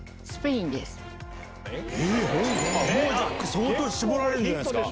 相当絞られるんじゃないですか？